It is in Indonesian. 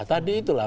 tadi itu lah